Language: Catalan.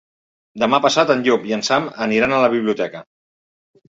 Demà passat en Llop i en Sam aniran a la biblioteca.